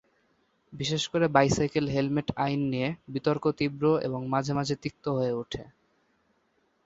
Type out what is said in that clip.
বিশেষ করে bicycle helmet আইন নিয়ে বিতর্ক তীব্র এবং মাঝে মাঝে তিক্ত হয়ে ওঠে।